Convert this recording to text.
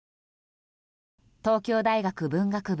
東京大学文学部